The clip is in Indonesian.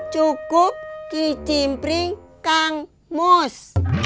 cukup kicimpring kang mus